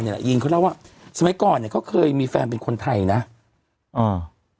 แหละยีนเขาเล่าว่าสมัยก่อนเนี้ยเขาเคยมีแฟนเป็นคนไทยนะอ่า